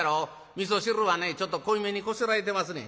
みそ汁はねちょっと濃いめにこしらえてますねん。